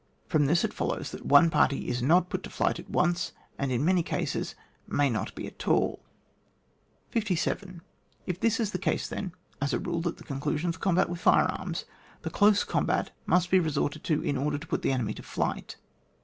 From this it follows that one party is not put to flight at once, and in many cases may not be at all. 57. If this is the case then, as a rule at the conclusion of the combat with fire arms, the close combat must be resorted to in order to put the enemy to flight.